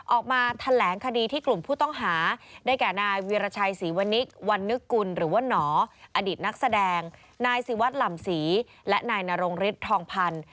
ออกมาแถลงคดีที่กลุ่มผู้ต้องหาได้แก่นายวีรชัยศรีวนิกวันนึกกุลหรือว่าหนออดีตนักแสดงนายศิวัตรหล่ำศรีและนายนรงฤทธิทองพันธ์